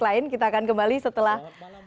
lain kita akan kembali setelah